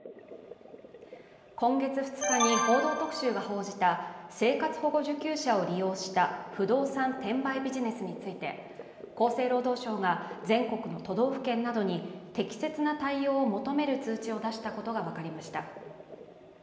今月２日に「報道特集」が報じた生活保護受給者を利用した不動産転売ビジネスについて、厚生労働省が全国の都道府県などに適切な対応を求める通知を出したことが分かりました。